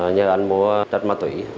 nhớ anh mua tất ma túy